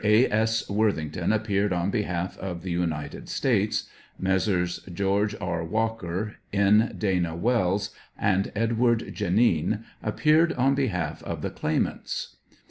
A. S. Worthington appeared on behalf of the 72 United States; Messrs. George E. Walker, N. Dana Wells, and Edward Janin appeared on behalf of the claimants.